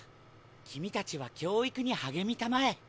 君たちは教育に励みたまえ。